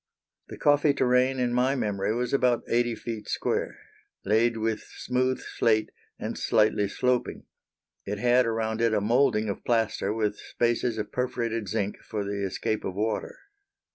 The coffee terrane in my memory was about eighty feet square, laid with smooth slate, and slightly sloping. It had around it a moulding of plaster with spaces of perforated zinc for the escape of water.